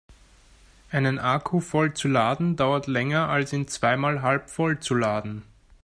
Einen Akku voll zu laden dauert länger als ihn zweimal halbvoll zu laden.